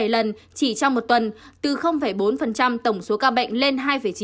bảy lần chỉ trong một tuần từ bốn tổng số ca bệnh lên hai chín